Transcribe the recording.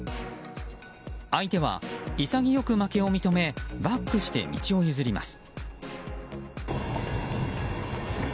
相手は潔く負けを認めバックして道を譲ります。